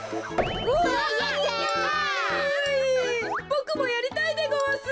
ボクもやりたいでごわす。